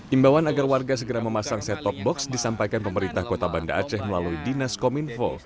imbauan agar warga segera memasang set top box disampaikan pemerintah kota banda aceh melalui dinas kominfo